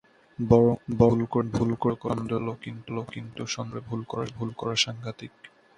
বরং ভুল করে সন্দেহ করা ভালো, কিন্তু সন্দেহ না করে ভুল করা সাংঘাতিক।